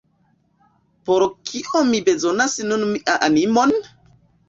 Por kio mi bezonas nun mian animon?